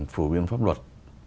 phổ biến pháp luật